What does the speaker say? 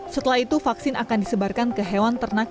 setelah itu vaksin akan disebarkan ke hewan ternak